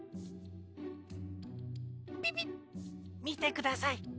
みてください。